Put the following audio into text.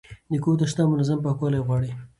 د کور تشناب منظم پاکوالی غواړي.